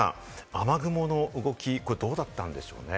雨雲の動き、どうだったんでしょうね。